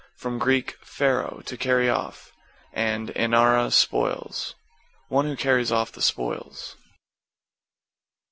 From Grk. fero, to carry off, and enara, spoils. One who carries off the spoils.